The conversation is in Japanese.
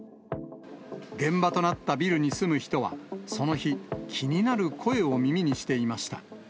現場となったビルに住む人は、その日、気になる声を耳にしていました。